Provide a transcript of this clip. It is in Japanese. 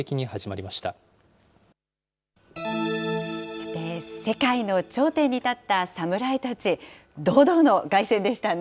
さて、世界の頂点に立った侍たち、堂々の凱旋でしたね。